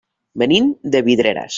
Venim de Vidreres.